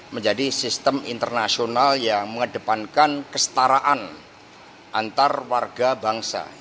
menjadi sistem internasional yang mengedepankan kestaraan antar warga bangsa